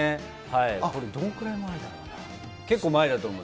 これ、どんくらい前だろうな？